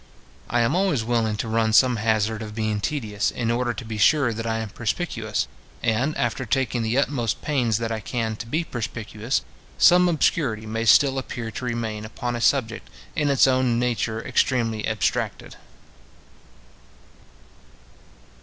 I am always willing to run some hazard of being tedious, in order to be sure that I am perspicuous; and, after taking the utmost pains that I can to be perspicuous, some obscurity may still appear to remain upon a subject, in its own nature extremely abstracted.